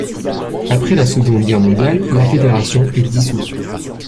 Après la Seconde Guerre mondiale, la fédération est dissoute.